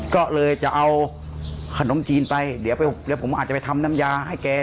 ก็เลยจะเอาขนมจีนไปเดี๋ยวผมอาจจะไปทำน้ำยาให้แก